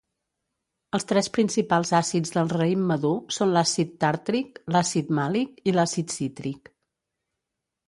Els tres principals àcids del raïm madur són l'àcid tàrtric, l'àcid màlic i l'àcid cítric.